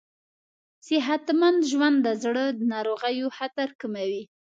صحتمند ژوند د زړه ناروغیو خطر کموي.